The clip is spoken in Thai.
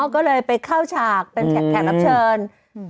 ก็เลยไปเข้าฉากเป็นแขกรับเชิญ